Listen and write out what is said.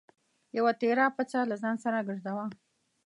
یوه تېره پڅه له ځان سره ګرځوه.